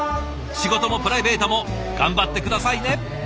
仕事もプライベートも頑張って下さいね！